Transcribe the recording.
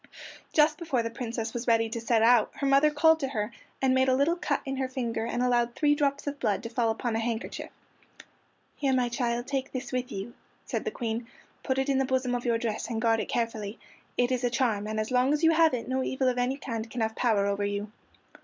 Just before the Princess was ready to set out, her mother called her to her, and made a little cut in her finger, and allowed three drops of blood to fall upon a handkerchief. "Here, my child, take this with you," said the Queen; "put it in the bosom of your dress, and guard it carefully. It is a charm, and as long as you have it no evil of any kind can have power over you."